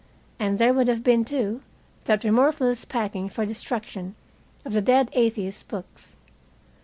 And there would have been, too, that remorseless packing for destruction of the dead atheist's books.